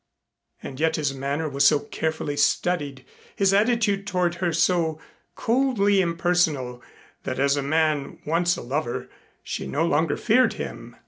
And yet his manner was so carefully studied, his attitude toward her so coldly impersonal that as a man once a lover she no longer feared him.